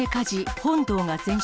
本堂が全焼。